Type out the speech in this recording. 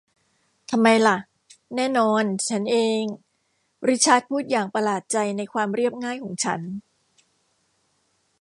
ทำไมหละ แน่นอน ฉันเอง ริชาร์ดพูดอย่างประหลาดใจในความเรียบง่ายของฉัน